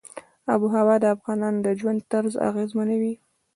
آب وهوا د افغانانو د ژوند طرز اغېزمنوي.